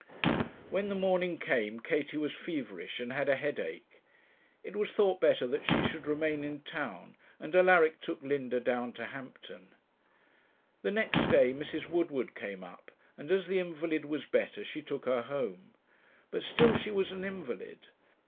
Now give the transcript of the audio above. When the morning came Katie was feverish, and had a headache. It was thought better that she should remain in town, and Alaric took Linda down to Hampton. The next day Mrs. Woodward came up, and as the invalid was better she took her home. But still she was an invalid.